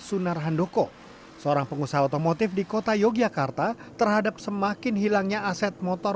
sunar handoko seorang pengusaha otomotif di kota yogyakarta terhadap semakin hilangnya aset motor